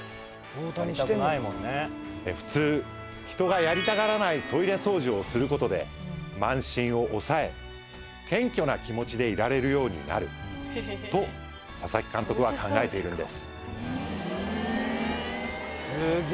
普通人がやりたがらないトイレ掃除をすることで慢心を抑え謙虚な気持ちでいられるようになると佐々木監督は考えているんです